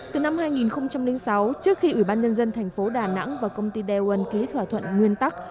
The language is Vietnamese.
từ năm hai nghìn sáu trước khi ủy ban nhân dân thành phố đà nẵng và công ty daewon ký thỏa thuận nguyên tắc